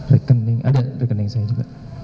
rekening ada rekening saya juga